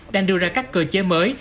đang đưa ra các cơ chế mới